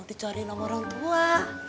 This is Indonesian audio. dicariin sama orang tua